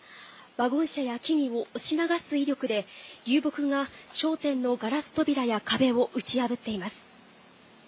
ワゴン車や木々を押し流す威力で、流木が商店のガラス扉や壁を打ち破っています。